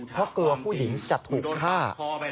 เพราะกลัวผู้หญิงจะถูกฆ่า